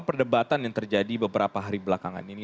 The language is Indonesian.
perdebatan yang terjadi beberapa hari belakangan ini